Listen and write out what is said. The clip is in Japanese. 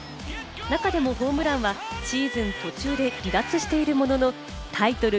中でもホームランはシーズン途中で離脱しているものの、タイトル